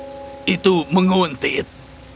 apa itu menguntit